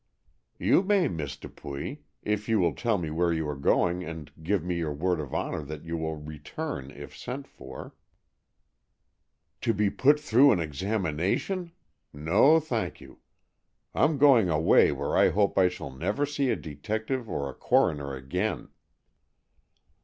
"You may, Miss Dupuy, if you will tell me where you are going, and give me your word of honor that you will return if sent for." "To be put through an examination! No, thank you. I'm going away where I hope I shall never see a detective or a coroner again!"